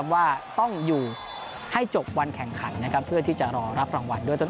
ว่าต้องอยู่ให้จบวันแข่งขันนะครับเพื่อที่จะรอรับรางวัลด้วย